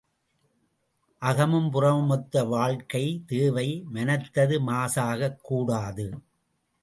அகமும் புறமும் ஒத்த வாழ்க்கை தேவை மனத்தது மாசாகக் கூடாது.